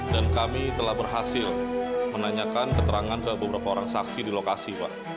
dan kami telah berhasil menanyakan keterangan ke beberapa orang saksi di lokasi pak